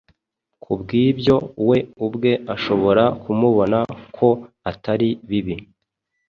kubwibyo we ubwe ashobora kumubona ko atari bibi